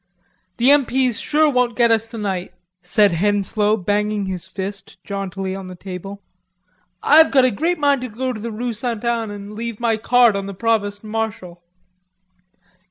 "The M.P.'s sure won't get us tonight," said Henslowe, banging his fist jauntily on the table. "I've a great mind to go to Rue St. Anne and leave my card on the Provost Marshal....